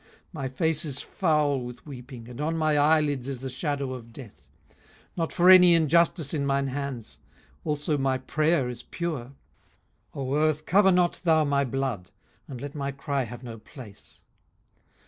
18:016:016 My face is foul with weeping, and on my eyelids is the shadow of death; 18:016:017 Not for any injustice in mine hands: also my prayer is pure. 18:016:018 O earth, cover not thou my blood, and let my cry have no place.